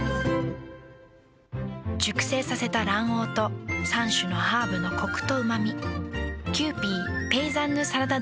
熟成させた卵黄と３種のハーブのコクとうま味。